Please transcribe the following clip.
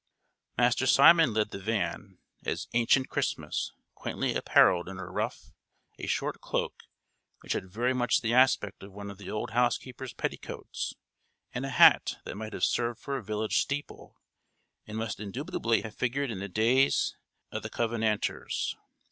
[O] Master Simon led the van, as "Ancient Christmas," quaintly apparelled in a ruff, a short cloak, which had very much the aspect of one of the old housekeeper's petticoats, and a hat that might have served for a village steeple, and must indubitably have figured in the days of the Covenanters.